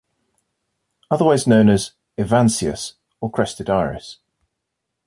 Otherwise known as 'Evansias' or crested iris.